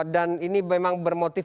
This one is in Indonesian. dan ini memang bermotif